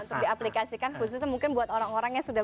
untuk diaplikasikan khususnya mungkin buat orang orang yang sudah